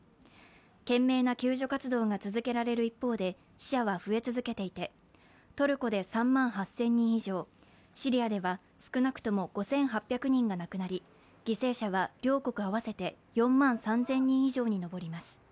懸命な救助活動が続けられる一方で死者は増え続けていてトルコで３万８０００人以上、シリアでは少なくとも５８００人が亡くなり犠牲者は両国合わせて４万３０００人以上に上ります。